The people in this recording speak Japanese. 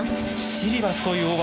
シリバスという大技。